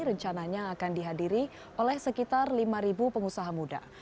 rencananya akan dihadiri oleh sekitar lima pengusaha muda